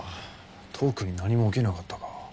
特に何も起きなかったか。